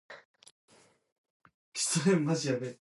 落霞与孤鹜齐飞，秋水共长天一色